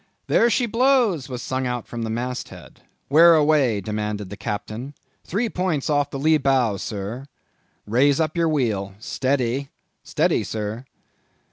"There she blows," was sung out from the mast head. "Where away?" demanded the captain. "Three points off the lee bow, sir." "Raise up your wheel. Steady!" "Steady, sir."